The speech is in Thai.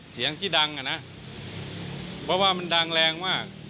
เสียงที่ดังอ่ะนะเพราะว่ามันดังแรงมาก